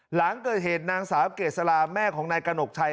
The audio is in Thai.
หลังเกิดเหตุนางสาวเกษลาแม่ของนายกระหนกชัย